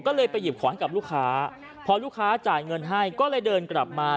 ก็เลยไปหยิบของให้กับลูกค้าพอลูกค้าจ่ายเงินให้ก็เลยเดินกลับมา